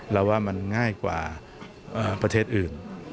เราว่ามันง่ายกว่าประเทศอื่น